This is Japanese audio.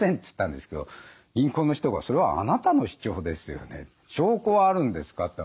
つったんですけど銀行の人が「それはあなたの主張ですよね。証拠はあるんですか？」